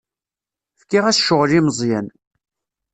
Fkiɣ-as ccɣel i Meẓyan.